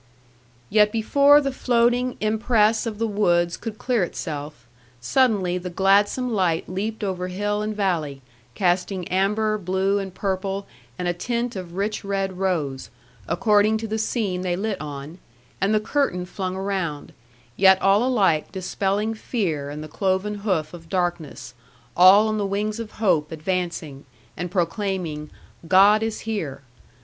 Yet before the floating impress of the woods could clear itself, suddenly the gladsome light leaped over hill and valley, casting amber, blue, and purple, and a tint of rich red rose; according to the scene they lit on, and the curtain flung around; yet all alike dispelling fear and the cloven hoof of darkness, all on the wings of hope advancing, and proclaiming, 'God is here.'